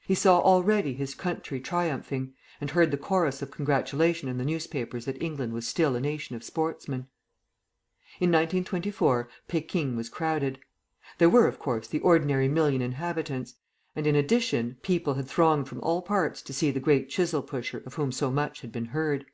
He saw already his country triumphing, and heard the chorus of congratulation in the newspapers that England was still a nation of sportsmen.... In 1924 Pekin was crowded. There were, of course, the ordinary million inhabitants; and, in addition, people had thronged from all parts to see the great Chisel pusher of whom so much had been heard.